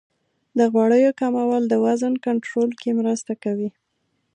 د غوړیو کمول د وزن کنټرول کې مرسته کوي.